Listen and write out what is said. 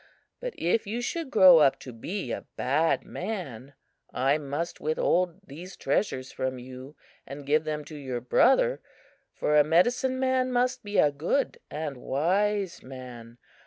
But if you should grow up to be a bad man, I must withhold these treasures from you and give them to your brother, for a medicine man must be a good and wise man.